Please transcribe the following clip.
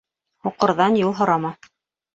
Һуҡырҙан юл һорама.